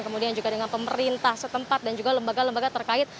kemudian juga dengan pemerintah setempat dan juga lembaga lembaga terkait